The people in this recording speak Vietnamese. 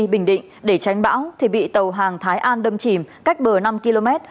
bình định để tránh bão thì bị tàu hàng thái an đâm chìm cách bờ năm km